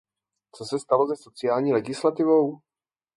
Co se stalo se sociální legislativou?